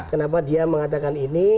kenapa dia mengatakan ini